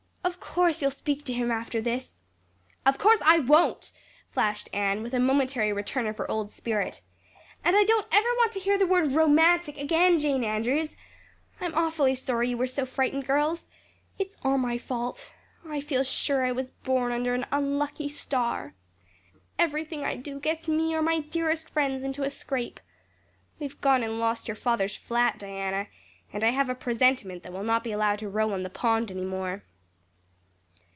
"Of course you'll speak to him after this." "Of course I won't," flashed Anne, with a momentary return of her old spirit. "And I don't want ever to hear the word 'romantic' again, Jane Andrews. I'm awfully sorry you were so frightened, girls. It is all my fault. I feel sure I was born under an unlucky star. Everything I do gets me or my dearest friends into a scrape. We've gone and lost your father's flat, Diana, and I have a presentiment that we'll not be allowed to row on the pond any more."